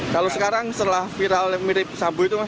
kalau sekarang setelah viral mirip sabu itu mas